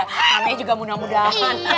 namanya juga mudah mudahan